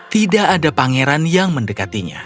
tidak ada pangeran yang mendekatinya